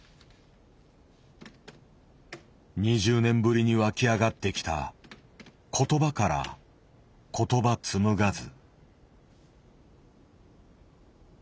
２０年ぶりに湧き上がってきた「言葉から言葉つむがず」。